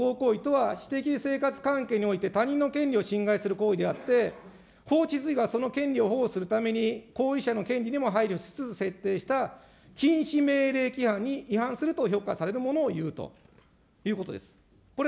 教科書もこう書いてますよ、民法の不法行為とは、私的生活関係において他人の権利を侵害する行為であって、がその権利を行使するために、行為者の権利に配慮しつつ設定した禁止命令規範に違反すると評価されるものをいうということです。